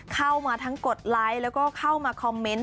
เข้ามาทั้งกดไลค์แล้วก็เข้ามาคอมเมนต์